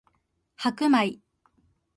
白米